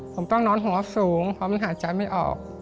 ผมต้องนอนหัวสูงเพราะมันหายใจไม่ออก